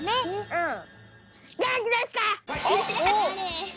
うん。